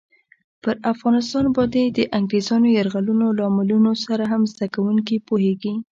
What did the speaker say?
پر افغانستان باندې د انګریزانو یرغلونو لاملونو سره هم زده کوونکي پوهېږي.